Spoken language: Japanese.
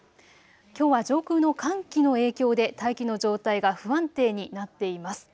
きょうは上空の寒気の影響で大気の状態が不安定になっています。